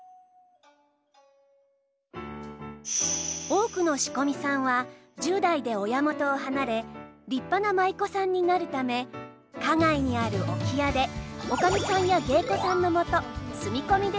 多くの仕込みさんは１０代で親元を離れ立派な舞妓さんになるため花街にある置屋で女将さんや芸妓さんの下住み込みで修行をします。